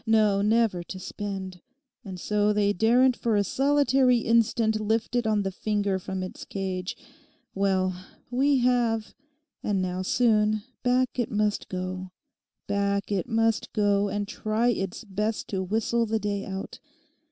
No, never to spend, and so they daren't for a solitary instant lift it on the finger from its cage. Well, we have; and now, soon, back it must go, back it must go, and try its best to whistle the day out.